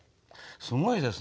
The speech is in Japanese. すごいですね。